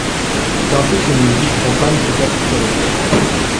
C'est ainsi qu'une musique profane peut être spirituelle.